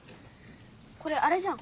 これあれじゃん。